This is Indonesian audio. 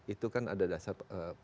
itu kan ada dasar